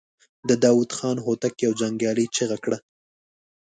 د داوود خان هوتک يوه جنګيالې چيغه کړه.